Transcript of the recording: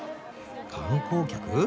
観光客？